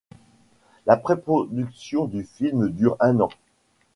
La préproduction du film dure un an.